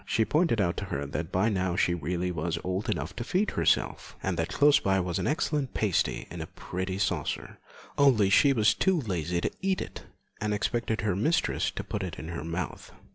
She pointed out to her that by now she really was old enough to feed herself, and that close by was an excellent pasty in a pretty saucer, only she was too lazy to eat it, and expected her mistress to put it in her mouth.